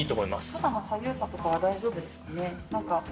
肩の左右差とかは大丈夫ですかね。